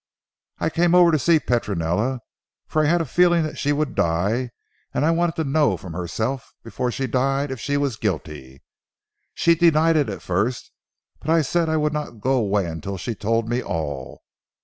I came over to see Petronella, for I had a feeling that she would die, and I wanted to know from herself before she died if she was guilty. She denied it at first, but I said I would not go away until she told me all.